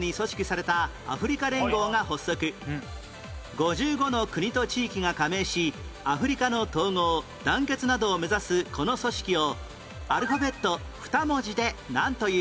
２０年前５５の国と地域が加盟しアフリカの統合・団結などを目指すこの組織をアルファベット２文字でなんという？